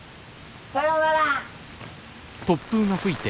さようなら！